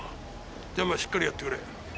じゃあまあしっかりやってくれ。